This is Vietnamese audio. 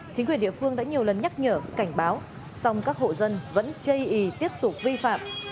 chính quyền địa phương đã nhiều lần nhắc nhở cảnh báo song các hộ dân vẫn chây ý tiếp tục vi phạm